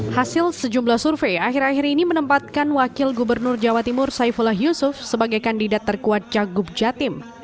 hasil sejumlah survei akhir akhir ini menempatkan wakil gubernur jawa timur saifullah yusuf sebagai kandidat terkuat cagup jatim